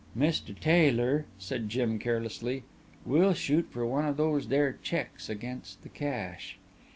"Mr. Taylor," said Jim, carelessly, "we'll shoot for one of those there checks against the cash."